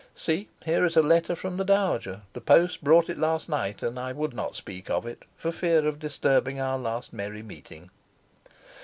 See, here is a letter from the Dowager; the post brought it last night; and I would not speak of it, for fear of disturbing our last merry meeting."